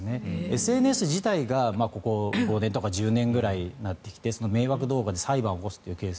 ＳＮＳ自体がここ５年とか１０年ぐらいでなってきて迷惑動画で裁判を起こすケース